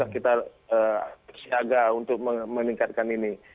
kita siaga untuk meningkatkan ini